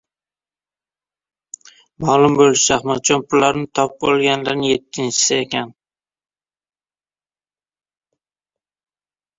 Maʼlum boʻlishicha, Adhamjon pulni “topib olgan”larning yettinchisi ekan.